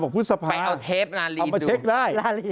พฤษภาบอกพฤษภา